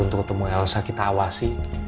untuk ketemu elsa kita awasi